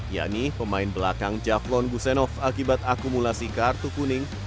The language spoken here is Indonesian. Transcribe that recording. yakni pemain belakang javlon gusenov akibat akumulasi kartu kuning